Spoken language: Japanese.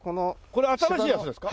これ新しいやつですか？